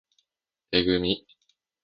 えぐみ